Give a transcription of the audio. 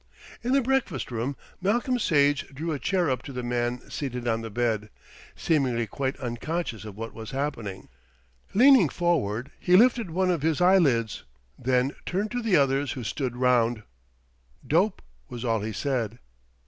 In the breakfast room Malcolm Sage drew a chair up to the man seated on the bed, seemingly quite unconscious of what was happening. Leaning forward he lifted one of his eyelids, then turned to the others who stood round. "Dope," was all he said.